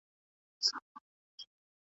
خو ما یوه شېبه خپل زړه تش کړ.